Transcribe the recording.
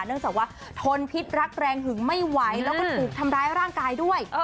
เนื่องจากว่าทนพิษรักแรงหึงไม่ไหวแล้วก็ถูกทำร้ายร่างกายด้วย